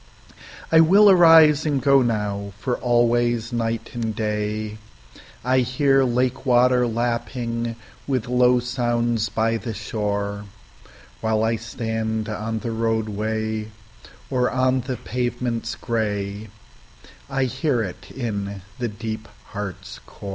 I will arise and go now, for always night and dayI hear lake water lapping with low sounds by the shore; While I stand on the roadway, or on the pavements gray,I hear it in the deep heart's core.